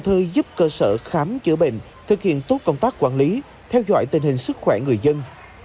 thời giúp cơ sở khám chữa bệnh thực hiện tốt công tác quản lý theo dõi tình hình sức khỏe người dân